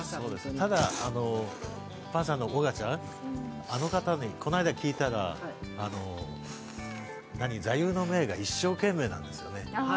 ただ、パンサーの尾形さん、あの方に聞いたら、座右の銘が「一生懸命」なんですよね。